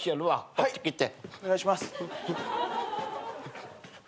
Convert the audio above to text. はい。